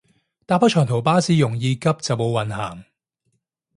搭開長途巴士容易急就冇運行